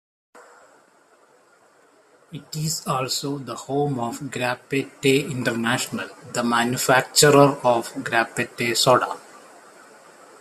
It is also the home of Grapette International, the manufacturer of Grapette soda.